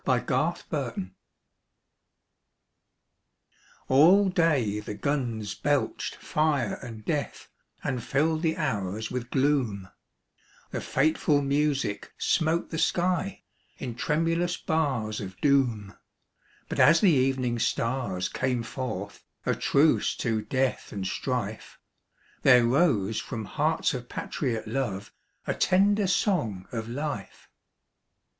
89 IN THE TRENCHES. ALL day the guns belched fire and death And filled the hours with gloom; The fateful music smote the sky In tremulous bars of doom ; But as the evening stars came forth A truce to death and strife, There rose from hearts of patriot love A tender song of life.